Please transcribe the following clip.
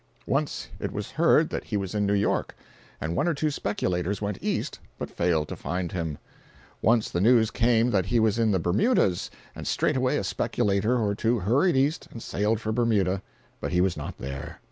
Once it was heard that he was in New York, and one or two speculators went east but failed to find him. Once the news came that he was in the Bermudas, and straightway a speculator or two hurried east and sailed for Bermuda—but he was not there.